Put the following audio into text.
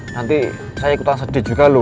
nanti saya ikutan sedih juga loh